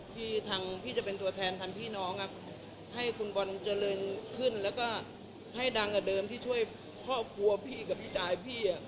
ที่ทางพี่จะเป็นตัวแทนทางพี่น้องครับให้คุณบอลเจริญขึ้นแล้วก็ให้ดังกว่าเดิมที่ช่วยครอบครัวพี่กับพี่จ่ายพี่